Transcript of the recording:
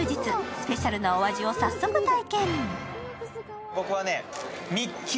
スペシャルなお味を早速体験。